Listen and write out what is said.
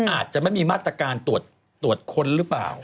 อาจจะไม่มีมาตรการตรวจค้นหรือเปล่า